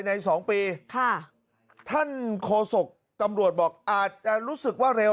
สองปีค่ะท่านโคศกตำรวจบอกอาจจะรู้สึกว่าเร็ว